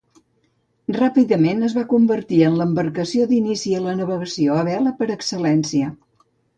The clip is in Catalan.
Ràpidament es va convertir en l'embarcació d'inici a la navegació a vela, per excel·lència.